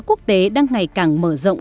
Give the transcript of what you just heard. quốc tế đang ngày càng mở rộng